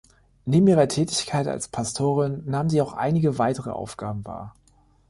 Neben ihrer Tätigkeit als Pastorin nahm sie auch einige weitere Aufgaben wahr.